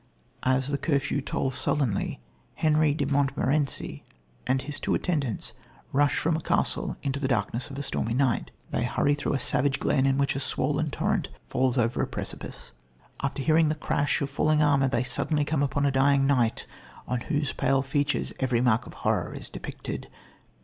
As the curfew tolls sullenly, Henry de Montmorenci and his two attendants rush from a castle into the darkness of a stormy night. They hurry through a savage glen, in which a swollen torrent falls over a precipice. After hearing the crash of falling armour, they suddenly come upon a dying knight on whose pale features every mark of horror is depicted.